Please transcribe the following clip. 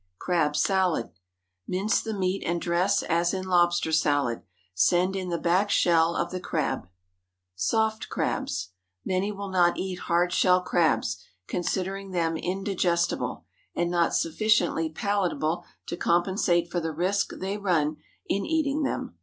CRAB SALAD. Mince the meat and dress as in lobster salad. Send in the back shell of the crab. SOFT CRABS. ✠ Many will not eat hard shell crabs, considering them indigestible, and not sufficiently palatable to compensate for the risk they run in eating them.